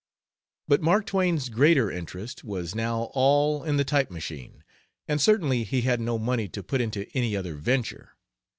But Mark Twain's greater interest was now all in the type machine, and certainly he had no money to put into any other venture.